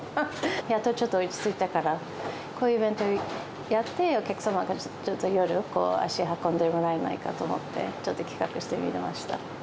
やっとちょっと落ち着いたから、こういうイベントやって、お客様にちょっと夜、足運んでもらえないかと思って、ちょっと企画してみました。